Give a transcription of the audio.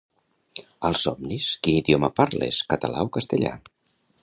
Als somnis quin idioma parles català o castellà?